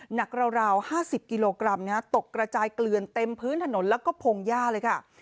หนักราวราวห้าสิบกิโลกรัมนะฮะตกกระจายเกลือนเต็มพื้นถนนแล้วก็พงย่าเลยค่ะ